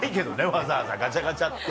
わざわざガチャガチャって。